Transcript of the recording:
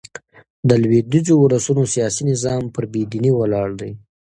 د لوېدیځو اولسونو سیاسي نظام پر بې دينۍ ولاړ دئ.